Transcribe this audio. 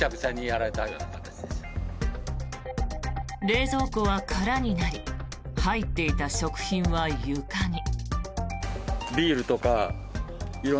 冷蔵庫は空になり入っていた食品は床に。